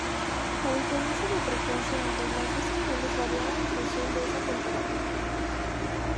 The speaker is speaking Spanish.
La diferencia de frecuencia entre las dos señales variaba en función de esa temperatura.